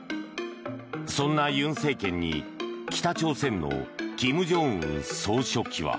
そんな尹政権に北朝鮮の金正恩総書記は。